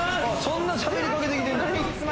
そんなしゃべりかけてきてんの？